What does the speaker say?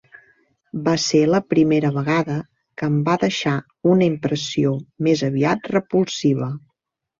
Va ser la primera vegada que em va deixar una impressió més aviat repulsiva.